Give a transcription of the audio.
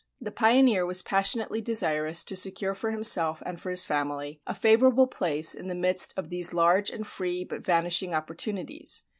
The pioneer was passionately desirous to secure for himself and for his family a favorable place in the midst of these large and free but vanishing opportunities.